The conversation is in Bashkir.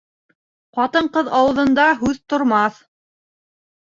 Ҡатын-ҡыҙ ауыҙында һүҙ тормаҫ.